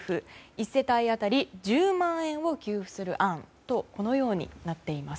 １世帯当たり１０万円を給付する案とこのようになっています。